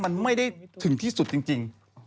มันไม่ได้ถึงที่สุดจริง